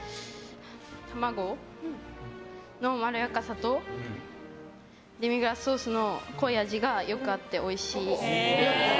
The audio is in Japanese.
卵のまろやかさとデミグラスソースの濃い味がよく合っておいしい。